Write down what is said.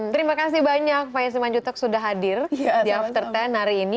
terima kasih banyak pak ya simanjutok sudah hadir di after sepuluh hari ini